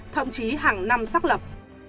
thậm chí hàng năm xác lập